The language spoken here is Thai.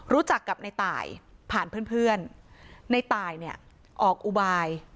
รู้จักกับในตายผ่านเพื่อนเพื่อนในตายเนี่ยออกอุบาย